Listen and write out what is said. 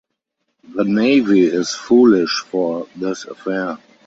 The Navy is foolish for this affair.